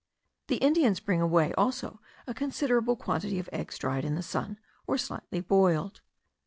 The Indians bring away also a considerable quantity of eggs dried in the sun, or slightly boiled.